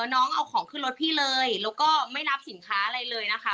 น้องเอาของขึ้นรถพี่เลยแล้วก็ไม่รับสินค้าอะไรเลยนะคะ